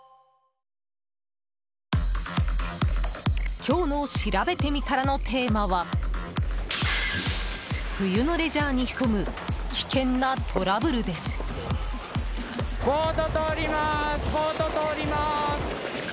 今日のしらべてみたらのテーマは冬のレジャーに潜む危険なトラブルです。